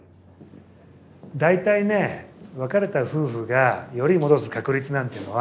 大体ね別れた夫婦が寄り戻す確率なんていうのは。